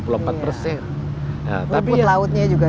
lumput lautnya juga